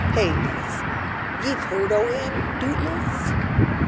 "Paley's; ye've heard o' him, dootless."